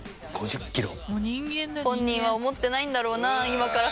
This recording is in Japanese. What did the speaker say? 本人は思ってないんだろうな今から。